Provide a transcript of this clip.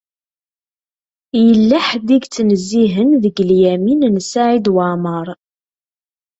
Yella ḥedd i yettnezzihen deg Lyamin n Saɛid Waɛmeṛ.